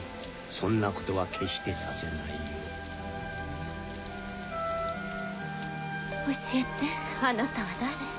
そんなことは決してさせないよ・教えてあなたは誰？